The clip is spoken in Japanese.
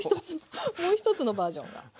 もう一つのバージョンが。